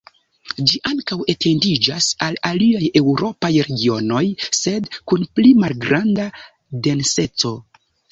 Ĝi ankaŭ etendiĝas al aliaj eŭropaj regionoj, sed kun pli malgranda denseco.